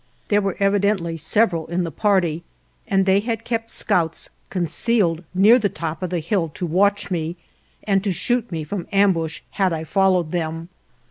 There were evidently several in the party and they had kept scouts concealed near the top of the hill to watch me, and to shoot me from ambush had I followed them.